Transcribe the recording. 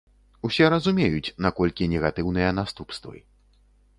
Усе разумеюць, наколькі негатыўныя наступствы.